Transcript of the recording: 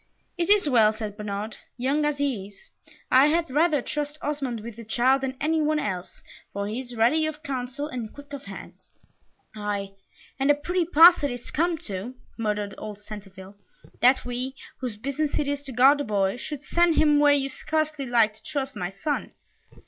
"It is well," said Bernard: "young as he is, I had rather trust Osmond with the child than any one else, for he is ready of counsel, and quick of hand." "Ay, and a pretty pass it is come to," muttered old Centeville, "that we, whose business it is to guard the boy, should send him where you scarcely like to trust my son."